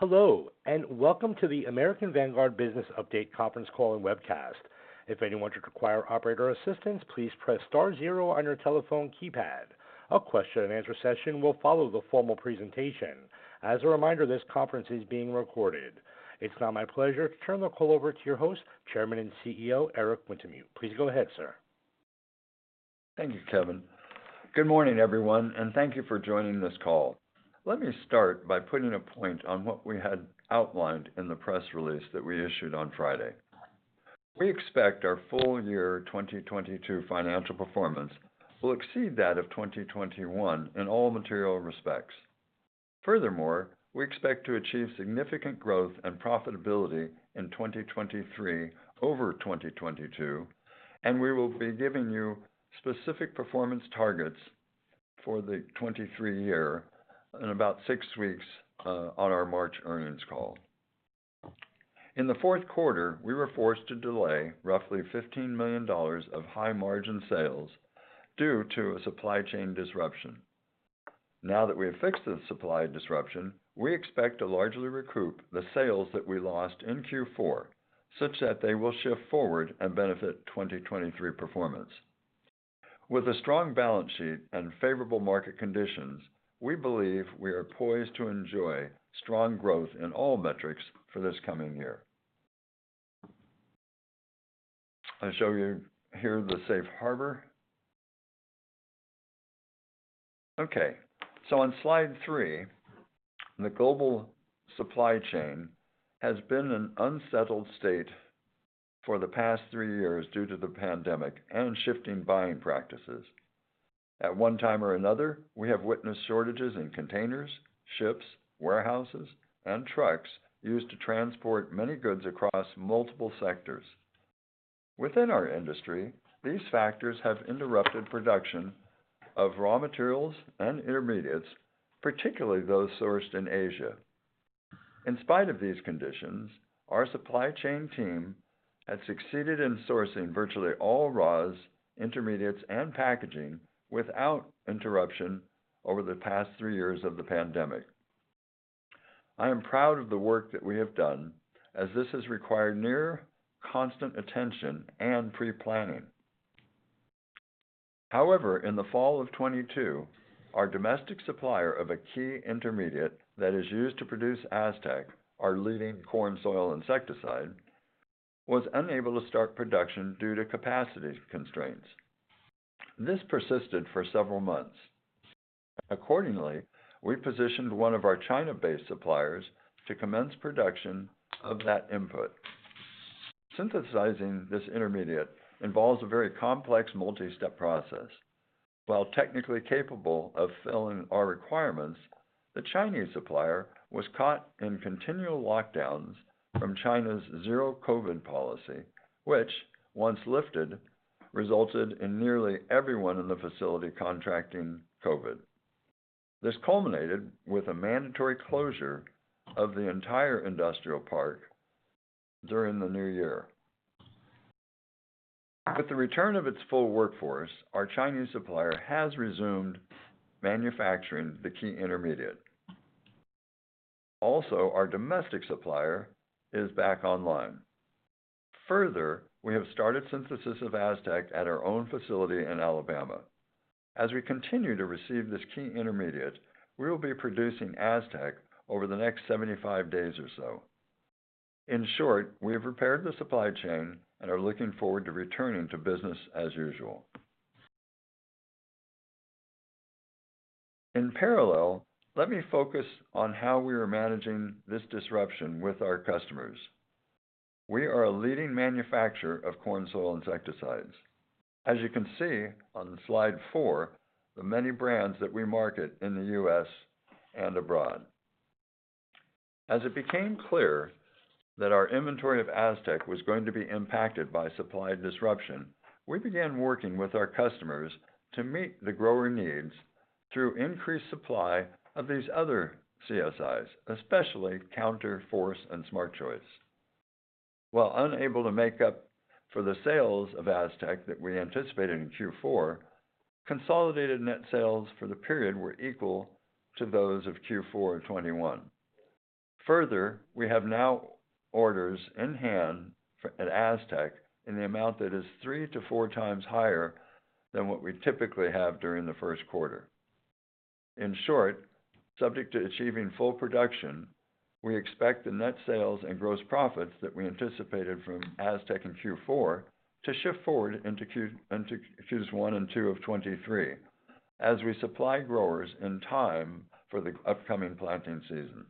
Hello, Welcome to The American Vanguard Business Update Conference Call and Webcast. If anyone should require operator assistance, please press star zero on your telephone keypad. A question-and-answer session will follow the formal presentation. As a reminder, this conference is being recorded. It's now my pleasure to turn the call over to your host, Chairman and CEO, Eric Wintemute. Please go ahead, sir. Thank you, Kevin. Good morning, everyone, and thank you for joining this call. Let me start by putting a point on what we had outlined in the press release that we issued on Friday. We expect our full year 2022 financial performance will exceed that of 2021 in all material respects. Furthermore, we expect to achieve significant growth and profitability in 2023 over 2022, and we will be giving you specific performance targets for the 2023 year in about six weeks on our March earnings call. In the fourth quarter, we were forced to delay roughly $15 million of high-margin sales due to a supply chain disruption. Now that we have fixed the supply disruption, we expect to largely recoup the sales that we lost in Q4 such that they will shift forward and benefit 2023 performance. With a strong balance sheet and favorable market conditions, we believe we are poised to enjoy strong growth in all metrics for this coming year. I'll show you here the safe harbor. Okay. On slide three, the global supply chain has been in an unsettled state for the past three years due to the pandemic and shifting buying practices. At one time or another, we have witnessed shortages in containers, ships, warehouses, and trucks used to transport many goods across multiple sectors. Within our industry, these factors have interrupted production of raw materials and intermediates, particularly those sourced in Asia. In spite of these conditions, our supply chain team had succeeded in sourcing virtually all raws, intermediates, and packaging without interruption over the past three years of the pandemic. I am proud of the work that we have done as this has required near constant attention and pre-planning. In the fall of 2022, our domestic supplier of a key intermediate that is used to produce AZTEC, our leading corn soil insecticide, was unable to start production due to capacity constraints. This persisted for several months. Accordingly, we positioned one of our China-based suppliers to commence production of that input. Synthesizing this intermediate involves a very complex multi-step process. While technically capable of filling our requirements, the Chinese supplier was caught in continual lockdowns from China's Zero-COVID policy which, once lifted, resulted in nearly everyone in the facility contracting COVID. This culminated with a mandatory closure of the entire industrial park during the new year. With the return of its full workforce, our Chinese supplier has resumed manufacturing the key intermediate. Also, our domestic supplier is back online. Further, we have started synthesis of AZTEC at our own facility in Alabama. As we continue to receive this key intermediate, we will be producing AZTEC over the next 75 days or so. In short, we have repaired the supply chain and are looking forward to returning to business as usual. In parallel, let me focus on how we are managing this disruption with our customers. We are a leading manufacturer of corn soil insecticides. As you can see on slide four, the many brands that we market in the U.S. and abroad. As it became clear that our inventory of AZTEC was going to be impacted by supply disruption, we began working with our customers to meet the grower needs through increased supply of these other CSIs, especially Counter, Force, and SmartChoice. While unable to make up for the sales of AZTEC that we anticipated in Q4, consolidated net sales for the period were equal to those of Q4 2021. We have now orders in hand at AZTEC in the amount that is 3-4x higher than what we typically have during the first quarter. Subject to achieving full production, we expect the net sales and gross profits that we anticipated from AZTEC in Q4 to shift forward into Q's one and two of 2023 as we supply growers in time for the upcoming planting season.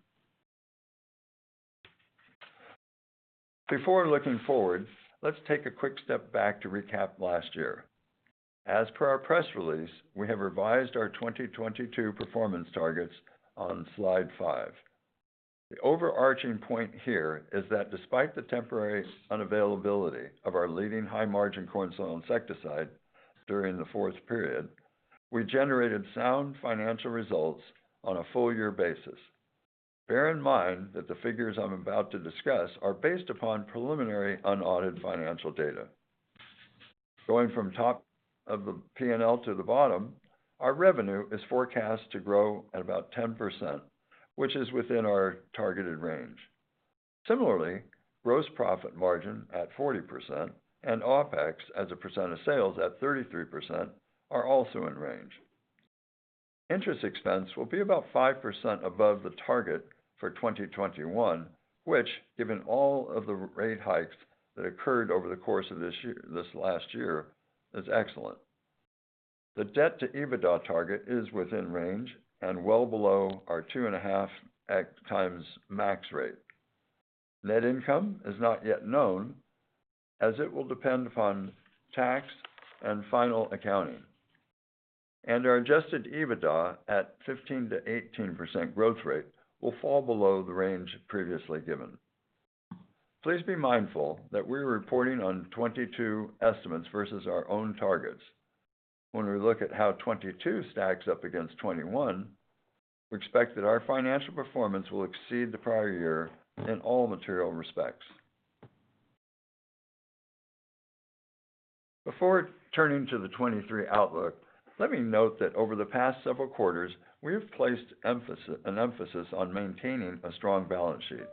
Before looking forward, let's take a quick step back to recap last year. As per our press release, we have revised our 2022 performance targets on slide five. The overarching point here is that despite the temporary unavailability of our leading high-margin corn soil insecticide during the fourth period, we generated sound financial results on a full year basis. Bear in mind that the figures I'm about to discuss are based upon preliminary unaudited financial data. Going from top of the P&L to the bottom, our revenue is forecast to grow at about 10%, which is within our targeted range. Similarly, gross profit margin at 40% and OpEx as a percent of sales at 33% are also in range. Interest expense will be about 5% above the target for 2021, which given all of the rate hikes that occurred over the course of this last year, is excellent. The debt to EBITDA target is within range and well below our 2.5x max rate. Net income is not yet known as it will depend upon tax and final accounting. Our adjusted EBITDA at 15%-18% growth rate will fall below the range previously given. Please be mindful that we're reporting on 2022 estimates versus our own targets. When we look at how 2022 stacks up against 2021, we expect that our financial performance will exceed the prior year in all material respects. Before turning to the 2023 outlook, let me note that over the past several quarters we have placed an emphasis on maintaining a strong balance sheet.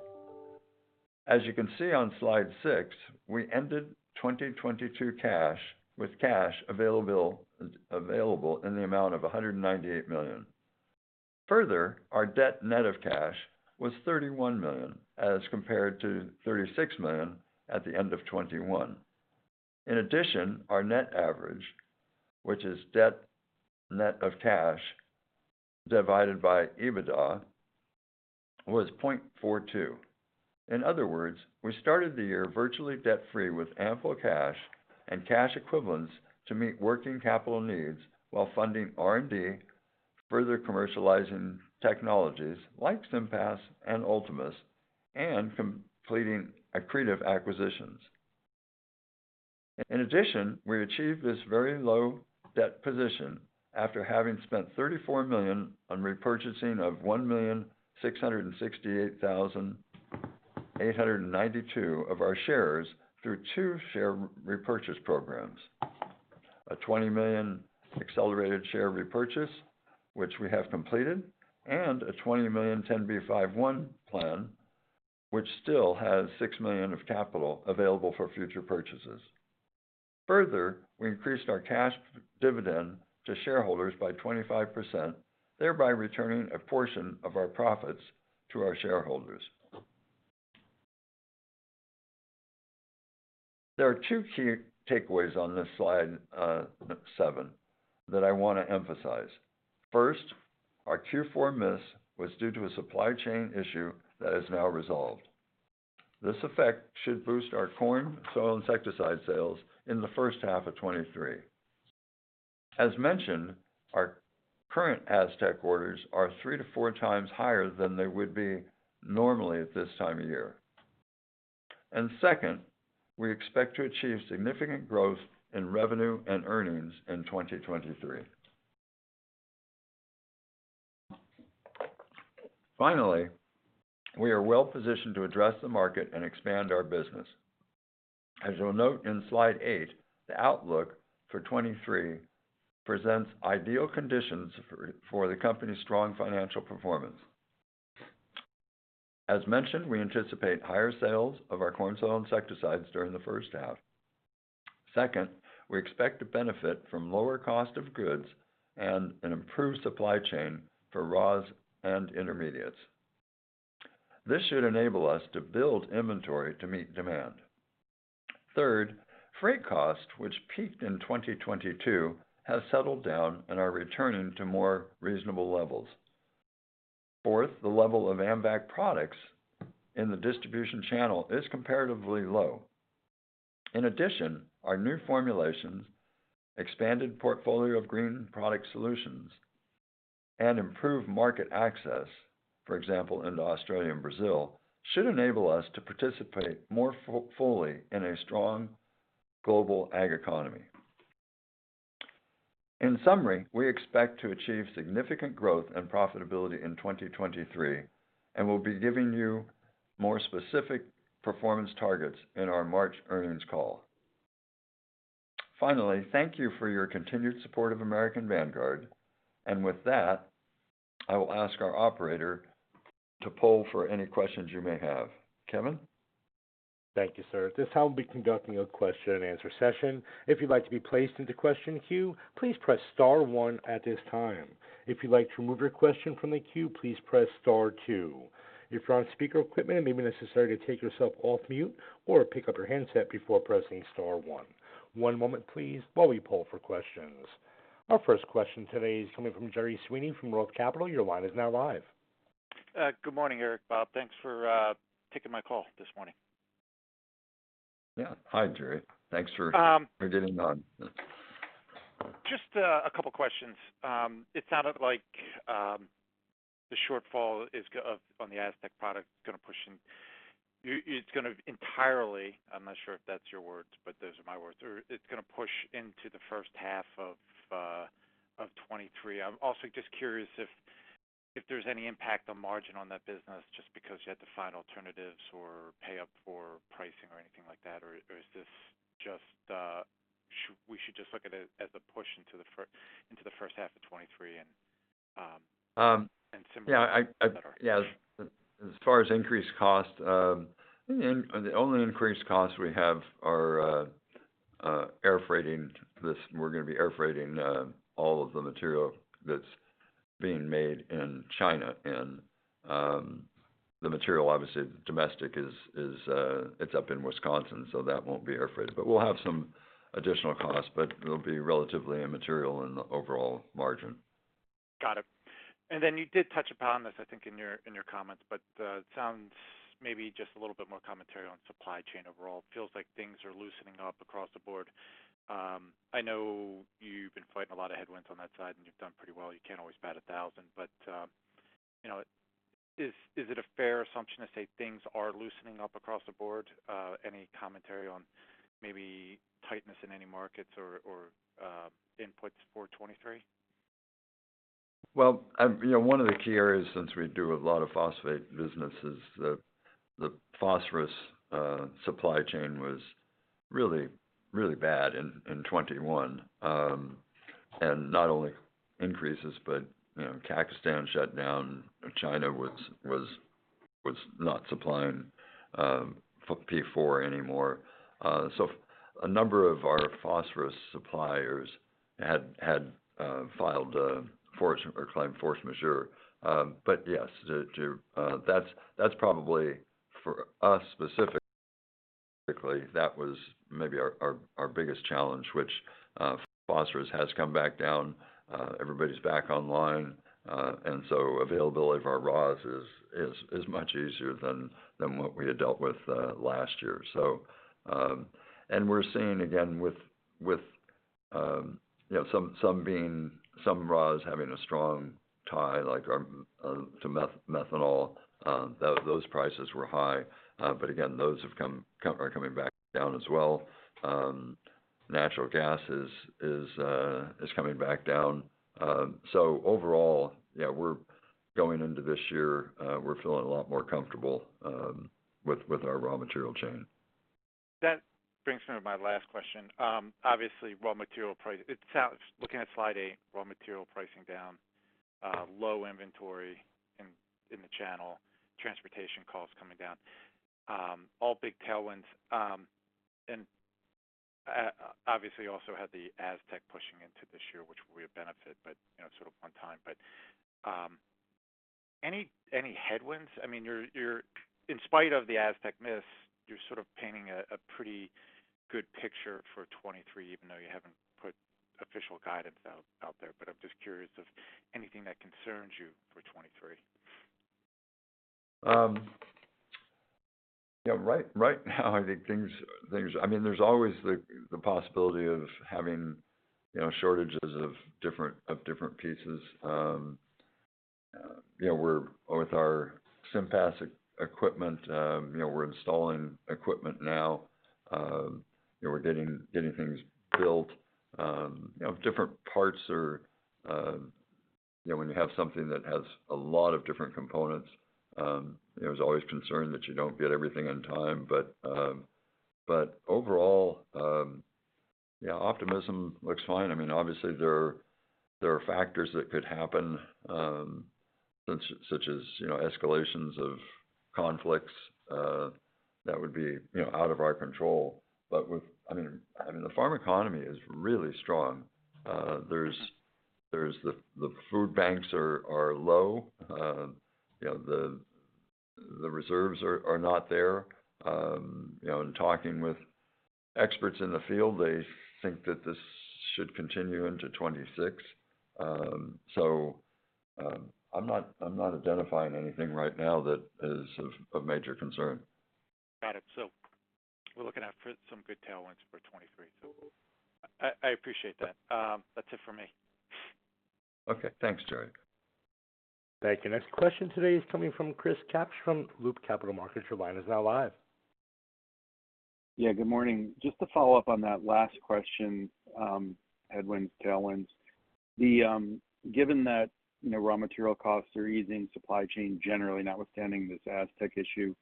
As you can see on slide six, we ended 2022 with cash available in the amount of $198 million. Our debt net of cash was $31 million as compared to $36 million at the end of 2021. Our net average, which is debt net of cash divided by EBITDA, was 0.42. In other words, we started the year virtually debt-free with ample cash and cash equivalents to meet working capital needs while funding R&D, further commercializing technologies like SIMPAS and Ultimus, and completing accretive acquisitions. We achieved this very low debt position after having spent $34 million on repurchasing of 1,668,892 of our shares through two share repurchase programs. A $20 million accelerated share repurchase, which we have completed, and a $20 million 10b5-1 plan, which still has $6 million of capital available for future purchases. We increased our cash dividend to shareholders by 25%, thereby returning a portion of our profits to our shareholders. There are two key takeaways on this slide 7 that I wanna emphasize. First, our Q4 miss was due to a supply chain issue that is now resolved. This effect should boost our corn soil insecticide sales in the first half of 2023. As mentioned, our current AZTEC orders are 3-4x higher than they would be normally at this time of year. Second, we expect to achieve significant growth in revenue and earnings in 2023. Finally, we are well positioned to address the market and expand our business. As you'll note in slide eight, the outlook for 2023 presents ideal conditions for the company's strong financial performance. As mentioned, we anticipate higher sales of our corn soil insecticides during the first half. Second, we expect to benefit from lower cost of goods and an improved supply chain for raws and intermediates. This should enable us to build inventory to meet demand. Third, freight costs, which peaked in 2022, have settled down and are returning to more reasonable levels. Fourth, the level of AMVAC products in the distribution channel is comparatively low. In addition, our new formulations, expanded portfolio of green product solutions, and improved market access, for example, into Australia and Brazil, should enable us to participate more fully in a strong global ag economy. In summary, we expect to achieve significant growth and profitability in 2023. We'll be giving you more specific performance targets in our March earnings call. Finally, thank you for your continued support of American Vanguard. With that, I will ask our operator to poll for any questions you may have. Kevin? Thank you, sir. This help will be conducting a question and answer session. If you'd like to be placed into question queue, please press star one at this time. If you'd like to remove your question from the queue, please press star two. If you're on speaker equipment, it may be necessary to take yourself off mute or pick up your handset before pressing star one. One moment please while we poll for questions. Our first question today is coming from Gerry Sweeney from Roth Capital. Your line is now live. Good morning, Eric, Bob. Thanks for taking my call this morning. Yeah. Hi, Gerry. Um- for getting on. Just a couple questions. It sounded like the shortfall is on the AZTEC product is gonna push in. It's gonna entirely. I'm not sure if that's your words, but those are my words. It's gonna push into the first half of 2023. I'm also just curious if there's any impact on margin on that business just because you had to find alternatives or pay up for pricing or anything like that, or is this just. we should just look at it as a push into the first half of 2023 and similarly. Yeah. Yes. As far as increased costs, and the only increased costs we have are air freighting this. We're gonna be air freighting all of the material that's being made in China. The material, obviously domestic is, it's up in Wisconsin, so that won't be air freighted. We'll have some additional costs, but it'll be relatively immaterial in the overall margin. Got it. You did touch upon this, I think, in your, in your comments, but it sounds maybe just a little bit more commentary on supply chain overall. It feels like things are loosening up across the board. I know you've been fighting a lot of headwinds on that side, and you've done pretty well. You can't always bat a thousand. You know, is it a fair assumption to say things are loosening up across the board? Any commentary on maybe tightness in any markets or inputs for 2023? Well, you know, one of the key areas since we do a lot of phosphate business is the phosphorus supply chain was really, really bad in 2021. Not only increases, but, you know, Kazakhstan shut down. China was not supplying P4 anymore. A number of our phosphorus suppliers had filed force or claimed force majeure. Yes, that's probably for us specifically, that was maybe our biggest challenge, which phosphorus has come back down. Everybody's back online. Availability of our raws is much easier than what we had dealt with last year. We're seeing again with, you know, some raws having a strong tie, like to methanol, those prices were high. Again, those are coming back down as well. Natural gas is coming back down. Overall, yeah, we're going into this year, we're feeling a lot more comfortable with our raw material chain. That brings me to my last question. Looking at slide eight, raw material pricing down, low inventory in the channel, transportation costs coming down, all big tailwinds. Obviously, you also had the AZTEC pushing into this year, which will be a benefit, but, you know, sort of on time. Any, any headwinds? I mean, in spite of the AZTEC miss, you're sort of painting a pretty good picture for 23, even though you haven't put official guidance out there. I'm just curious if anything that concerns you for 23. Yeah, right now, I think things... I mean, there's always the possibility of having, you know, shortages of different pieces. You know, With our SIMPAS equipment, you know, we're installing equipment now. You know, we're getting things built. You know, different parts are... You know, when you have something that has a lot of different components, there's always concern that you don't get everything on time. Overall, yeah, optimism looks fine. I mean, obviously there are factors that could happen, such as, you know, escalations of conflicts, that would be, you know, out of our control. I mean, the farm economy is really strong. There's the food banks are low. You know, the reserves are not there. You know, in talking with experts in the field, they think that this should continue into 2026. I'm not identifying anything right now that is of major concern. Got it. We're looking out for some good tailwinds for 23. I appreciate that. That's it for me. Okay. Thanks, Gerry. Thank you. Next question today is coming from Chris Kapsch from Loop Capital Markets. Your line is now live. Good morning. Just to follow up on that last question, headwinds, tailwinds. Given that, you know, raw material costs are easing, supply chain generally, notwithstanding this AZTEC issue,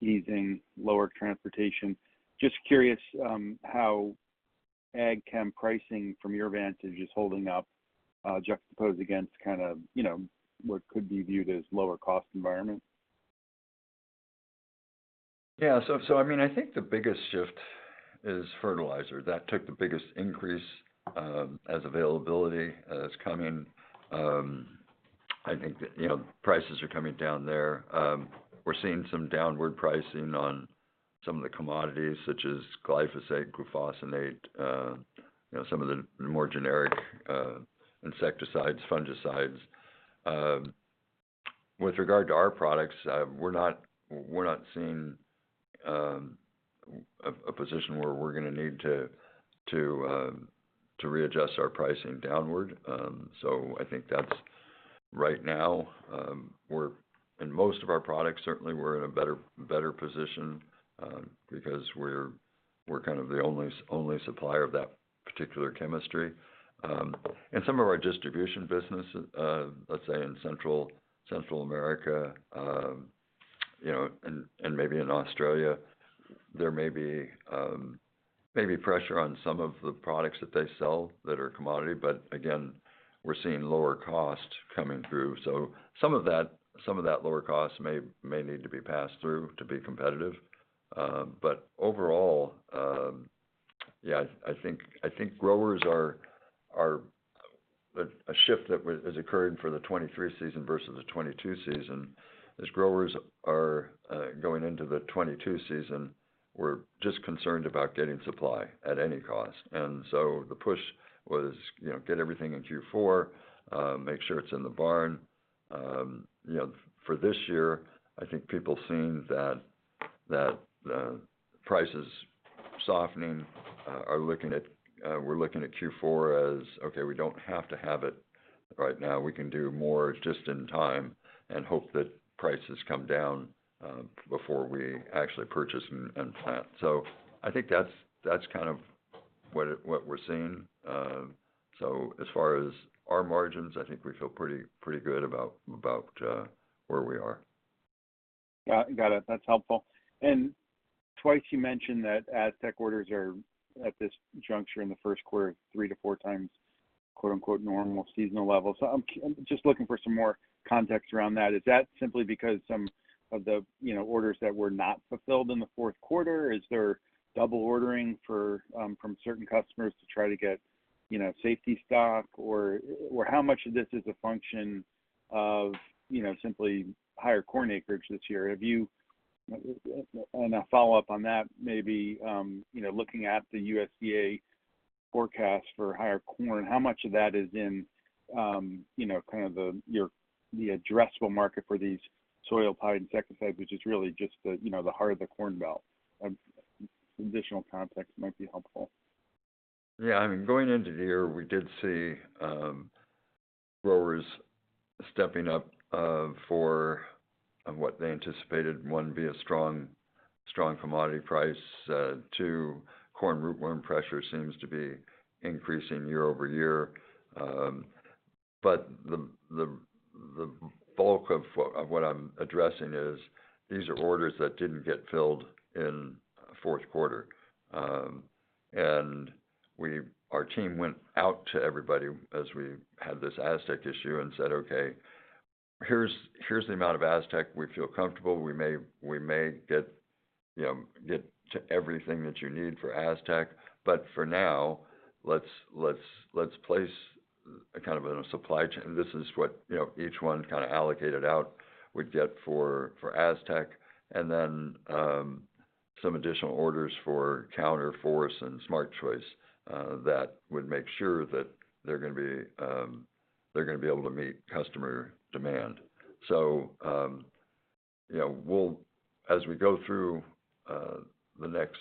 easing lower transportation. Just curious, how ag chem pricing from your vantage is holding up, juxtaposed against kind of, you know, what could be viewed as lower cost environment? I mean, I think the biggest shift is fertilizer. That took the biggest increase, as availability is coming. I think that, you know, prices are coming down there. We're seeing some downward pricing on some of the commodities such as glyphosate, glufosinate, you know, some of the more generic insecticides, fungicides. With regard to our products, we're not seeing a position where we're gonna need to readjust our pricing downward. I think that's right now, in most of our products, certainly we're in a better position, because we're kind of the only supplier of that particular chemistry. Some of our distribution business, let's say in Central America, you know, and maybe in Australia, there may be pressure on some of the products that they sell that are commodity. Again, we're seeing lower costs coming through. Some of that lower cost may need to be passed through to be competitive. Overall, I think growers are. A shift that has occurred for the 2023 season versus the 2022 season is growers are going into the 2022 season were just concerned about getting supply at any cost. The push was, you know, get everything in Q4, make sure it's in the barn. You know, for this year, I think people seeing that prices softening, we're looking at Q4 as, okay, we don't have to have it right now. We can do more just in time and hope that prices come down, before we actually purchase and plant. I think that's kind of what we're seeing. As far as our margins, I think we feel pretty good about where we are. Got it. That's helpful. Twice you mentioned that AZTEC orders are at this juncture in the first quarter 3-4x, quote-unquote, "normal seasonal levels." I'm just looking for some more context around that. Is that simply because some of the, you know, orders that were not fulfilled in the fourth quarter? Is there double ordering for from certain customers to try to get, you know, safety stock? Or how much of this is a function of, you know, simply higher corn acreage this year? Have you... A follow-up on that maybe, you know, looking at the USDA forecast for higher corn, how much of that is in, you know, kind of the addressable market for these soil applied insecticides, which is really just the, you know, the heart of the corn belt? Some additional context might be helpful. Yeah. I mean, going into the year, we did see growers stepping up for what they anticipated, one, be a strong commodity price. Two, corn rootworm pressure seems to be increasing year-over-year. The bulk of what I'm addressing is these are orders that didn't get filled in fourth quarter. Our team went out to everybody as we had this AZTEC issue and said, "Okay, here's the amount of AZTEC we feel comfortable. We may get, you know, to everything that you need for AZTEC. For now let's place a kind of a supply chain." This is what, you know, each one kind of allocated out would get for AZTEC. Then, some additional orders for Counter, Force, and Smart Choice, that would make sure that they're gonna be able to meet customer demand. You know, as we go through, the next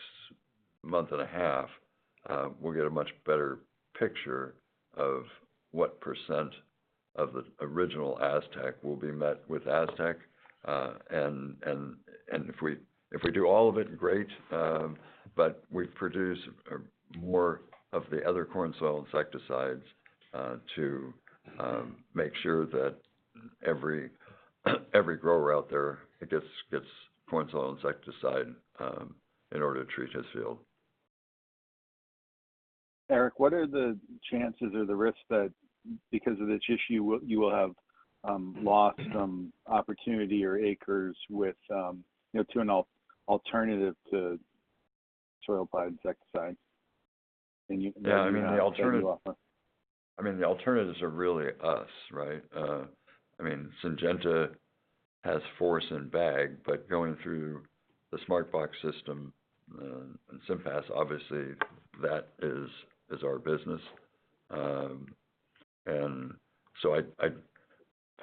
month and a half, we'll get a much better picture of what % of the original AZTEC will be met with AZTEC. If we do all of it, great. We produce, more of the other corn soil insecticides, to make sure that every grower out there gets corn soil insecticide, in order to treat his field. Eric, what are the chances or the risks that because of this issue, you will have lost some opportunity or acres with, you know, to an alternative to soil applied insecticide? Can you. Yeah. I mean, the alternatives are really us, right? I mean, Syngenta has Force and Bag, but going through the SmartBox system, and SIMPAS, obviously that is our business.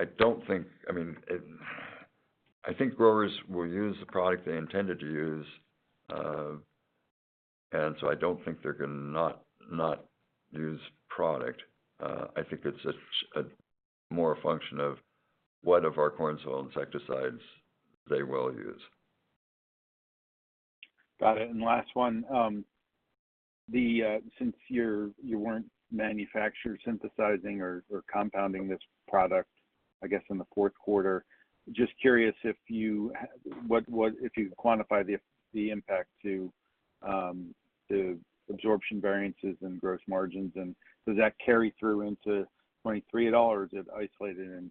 I don't think... I mean, I think growers will use the product they intended to use. I don't think they're gonna not use product. I think it's a more a function of what of our corn soil insecticides they will use. Got it. Last one. Since you weren't manufactured synthesizing or compounding this product, I guess, in the fourth quarter, just curious if you could quantify the impact to the absorption variances and gross margins. Does that carry through into 2023 at all, or is it isolated in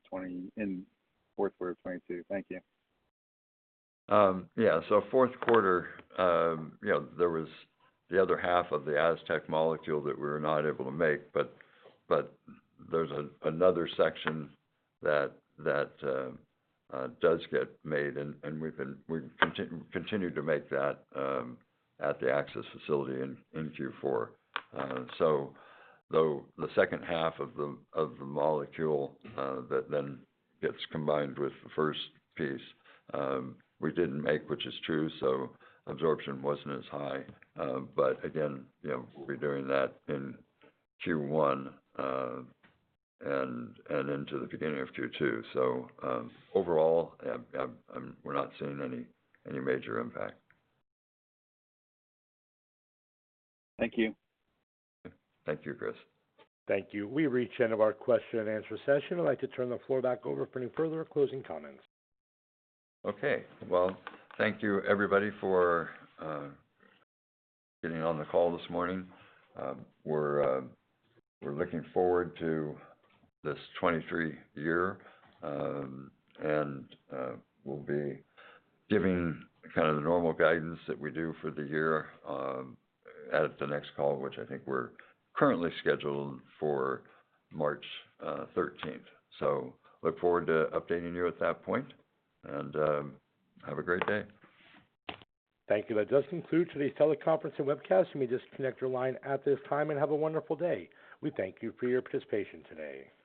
fourth quarter of 2022? Thank you. Yeah. Fourth quarter, you know, there was the other half of the AZTEC molecule that we were not able to make, but there's another section that that does get made and we continue to make that at the Axis facility in Q4. Though the second half of the molecule, that then gets combined with the first piece, we didn't make, which is true, so absorption wasn't as high. Again, you know, we'll be doing that in Q1, and into the beginning of Q2. Overall, we're not seeing any major impact. Thank you. Thank you, Chris. Thank you. We've reached the end of our question and answer session. I'd like to turn the floor back over for any further closing comments. Okay. Well, thank you everybody for getting on the call this morning. We're looking forward to this 2023 year. We'll be giving kind of the normal guidance that we do for the year at the next call, which I think we're currently scheduled for March 13th. Look forward to updating you at that point, and have a great day. Thank you. That does conclude today's teleconference and webcast. You may disconnect your line at this time, and have a wonderful day. We thank you for your participation today.